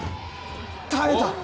耐えた。